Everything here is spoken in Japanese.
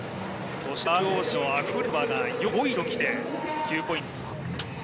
そしてＲＯＣのアフレモバが４位、５位ときて９ポイント。